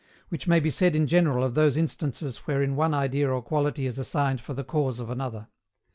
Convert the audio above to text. Which may be said in general of those instances wherein one idea or quality is assigned for the cause of another.